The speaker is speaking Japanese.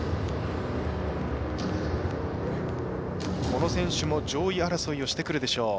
この選手も上位争いをしてくるでしょう。